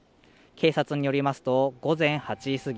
警察によりますと午前８時過ぎ